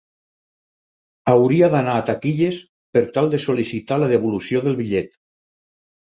Hauria d'anar a taquilles per tal de sol·licitar la devolució del bitllet.